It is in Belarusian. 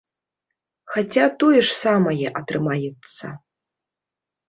Хаця тое ж самае атрымаецца.